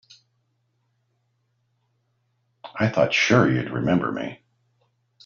I thought sure you'd remember me.